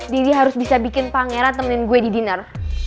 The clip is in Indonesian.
harus bisa bikin pangeran temenin gue di diner